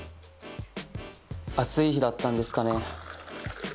暑い日だったんですかね。